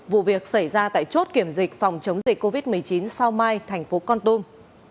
vụ việc xảy ra tại chốt kiểm dịch phòng chống dịch covid một mươi chín sau mai tp con tung